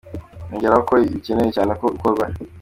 Yongeraho ko bikenewe cyane ko ukorwa.